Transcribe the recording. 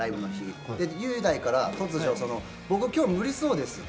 雄大から突如、今日、無理そうですと。